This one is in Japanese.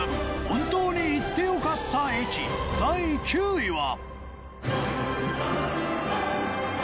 本当に行ってよかった駅第９位は。